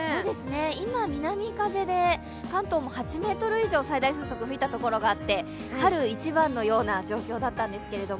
今、南風で関東も８メートル以上最大風速吹いたところもあって春一番のような状況だったんですけれども。